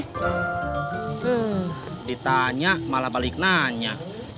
hmm ditanya malah balik nanya